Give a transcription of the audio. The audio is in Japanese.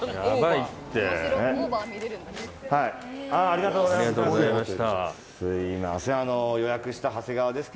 ありがとうございます。